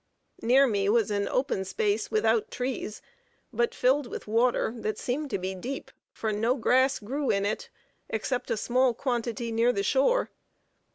Near me was an open space without trees, but filled with water that seemed to be deep, for no grass grew in it, except a small quantity near the shore.